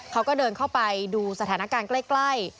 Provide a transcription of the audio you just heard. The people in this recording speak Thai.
เขาก็เดินเข้าไปดูสถานการณ์ใกล้